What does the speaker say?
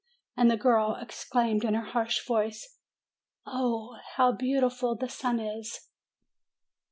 And the girl exclaimed in her harsh voice : "Oh, how beau ti ful the sun is!"